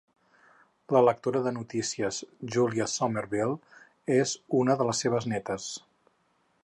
La lectora de notícies Julia Somerville és una de les seves nétes.